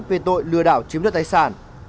về tội lừa đảo chiếm đoạt tài sản